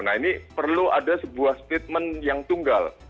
nah ini perlu ada sebuah statement yang tunggal